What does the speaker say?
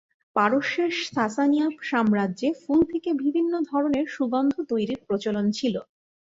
পারস্যের সাসানীয় সাম্রাজ্যে ফুল থেকে বিভিন্ন ধরনের সুগন্ধ তৈরীর প্রচলন ছিল।